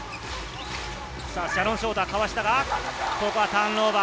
シャノン・ショーターかわしたが、ここはターンオーバー。